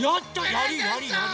やりやりやり！